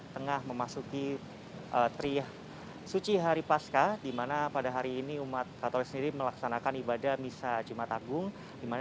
tengah memasuki trih suci hari pasca dimana pada hari ini umat katolik sendiri melaksanakan ibadah misa jumat agung